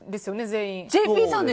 全員。